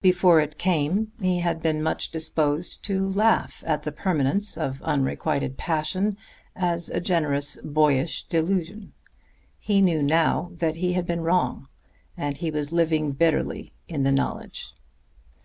Before it came, he had been much disposed to laugh at the permanence of unrequited passion as a generous boyish delusion. He knew now that he had been wrong, and he was living bitterly in the knowledge.